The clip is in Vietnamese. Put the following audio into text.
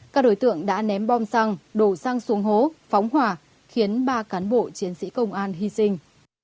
các đối tượng đã ném bom xăng đổ xăng xuống hố phóng hỏa khiến ba cán bộ chiến sĩ công an hy sinh